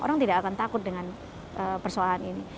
orang tidak akan takut dengan persoalan ini